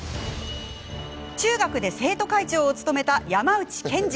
中学で生徒会長を務めた山内健司。